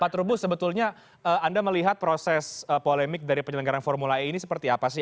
pak trubus sebetulnya anda melihat proses polemik dari penyelenggaran formula e ini seperti apa sih